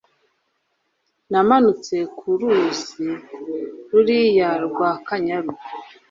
Namanutse ku ruzi ruriya rwakanyaru